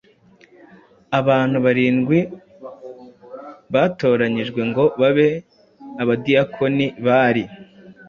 Abantu barindwi batoranyijwe ngo babe abadiyakoni bari